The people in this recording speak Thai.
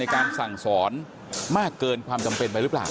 การสั่งสอนมากเกินความจำเป็นไปหรือเปล่า